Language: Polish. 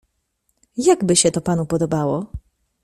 Jak by się to panu podobało?